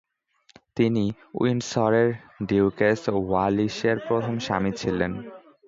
তিনি উইন্ডসরের ডিউকেস ওয়ালিসের প্রথম স্বামী ছিলেন।